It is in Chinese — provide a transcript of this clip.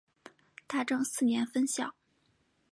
大正四年分校。